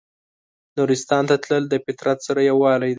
نورستان ته تلل د فطرت سره یووالی دی.